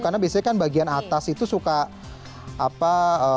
karena biasanya kan bagian atas itu suka apa